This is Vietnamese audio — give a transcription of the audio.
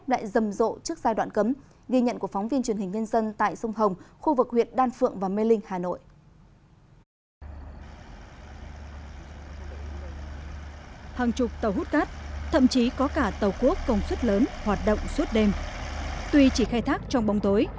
đây là tầm được nghìn khối